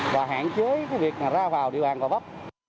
và hạn chế cái việc ra vào địa bàn gò vấp